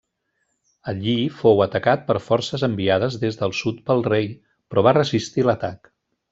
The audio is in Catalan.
Allí fou atacat per forces enviades des del sud pel rei, però va resistir l'atac.